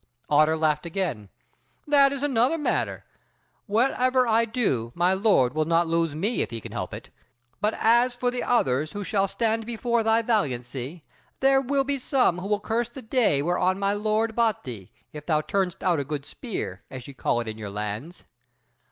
Otter laughed again: "That is another matter; whatever I do my Lord will not lose me if he can help it; but as for the others who shall stand before thy valiancy, there will be some who will curse the day whereon my lord bought thee, if thou turnest out a good spear, as ye call it in your lands.